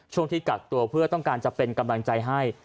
ที่กักตัวเพื่อต้องการจะเป็นกำลังใจให้